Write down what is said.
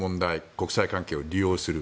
国際関係を利用する。